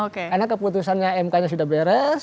karena keputusannya mk sudah beres